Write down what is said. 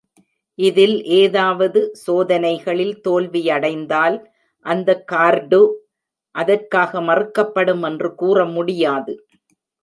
இதில் ஏதாவது சோதனைகளில் தோல்வியடைந்தால், அந்த கார்டு அதற்காக மறுக்கப்படும் என்று கூற முடியாது.